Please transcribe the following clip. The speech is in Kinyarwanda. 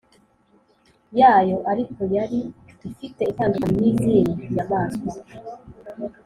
yayo Ariko yari ifite itandukaniro n izindi nyamaswa